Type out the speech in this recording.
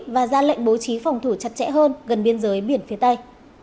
và ra lệnh bố trí phòng thủ chặt chẽ hơn gần biên giới biển phía tây